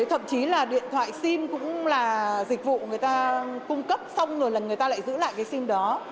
thậm chí là điện thoại sim cũng là dịch vụ người ta cung cấp xong rồi là người ta lại giữ lại cái sim đó